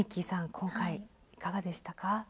今回いかがでしたか？